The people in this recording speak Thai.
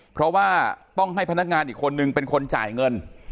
เพราะว่าต้องให้พนักงานอีกคนนึงเป็นคนจ่ายเงิน